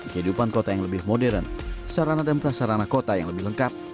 kehidupan kota yang lebih modern sarana dan prasarana kota yang lebih lengkap